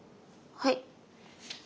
はい。